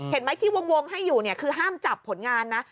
เห็นไหมที่วงให้อยู่เนี่ยคือห้ามจับผลงานนะ